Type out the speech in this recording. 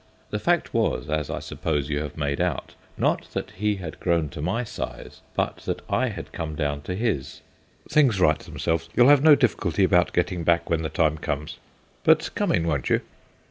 The fact was, as I suppose you have made out, not that he had grown to my size, but that I had come down to his. "Things right themselves; you'll have no difficulty about getting back when the time comes. But come in, won't you?"